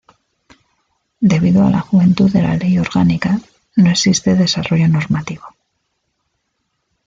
Debido a la juventud de la Ley Orgánica, no existe desarrollo normativo.